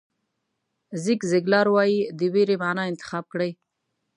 زیګ زیګلار وایي د وېرې معنا انتخاب کړئ.